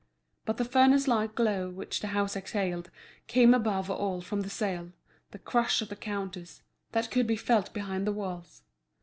But the furnace like glow which the house exhaled came above all from the sale, the crush at the counters, that could be felt behind the walls.